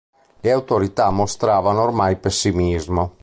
Le autorità mostravano ormai pessimismo.